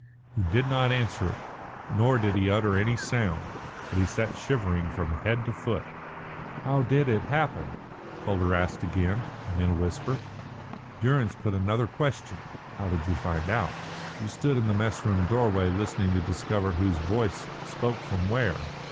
He did not answer, nor did he utter any sound, but he sat shivering from head to foot. "How did it happen?" Calder asked again, and in a whisper. Durrance put another question: "How did you find out?" "You stood in the mess room doorway listening to discover whose voice spoke from where.